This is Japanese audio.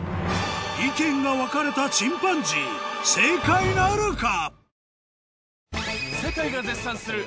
意見が分かれたチンパンジー正解なるか？